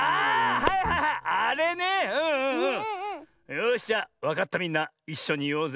よしじゃあわかったみんないっしょにいおうぜ。